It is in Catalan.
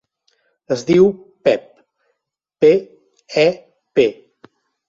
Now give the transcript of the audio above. Es diu Pep: pe, e, pe.